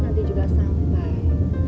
nanti juga sampai